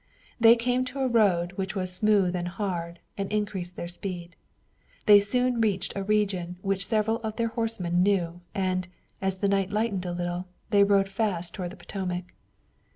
They came to a road which was smooth and hard, and increased their speed. They soon reached a region which several of their horsemen knew, and, as the night lightened a little, they rode fast toward the Potomac.